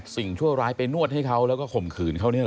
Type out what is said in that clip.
๑๐๘สิ่งชั่วร้ายเป็นนวดให้เค้าแล้วก็ข่มขืนเขานี่หรอ